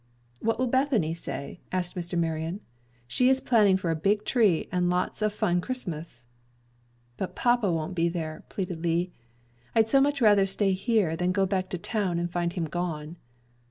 "What will Bethany say?" asked Mr. Marion. "She is planning for a big tree and lots of fun Christmas." "But papa won't be there," pleaded Lee. "I'd so much rather stay here than go back to town and find him gone."